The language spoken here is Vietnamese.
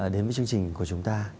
đến với chương trình của chúng ta